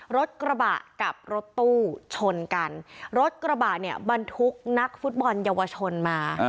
รถกระบะกับรถตู้ชนกันรถกระบะเนี่ยบรรทุกนักฟุตบอลเยาวชนมา